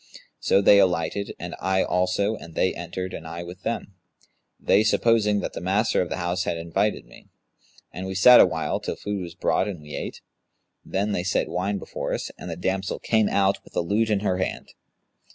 So they alighted and I also and they entered and I with them, they supposing that the master of the house had invited me; and we sat awhile, till food was brought and we ate. Then they set wine before us, and the damsel came out, with a lute in her hand.